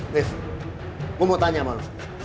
wif gue mau tanya sama lo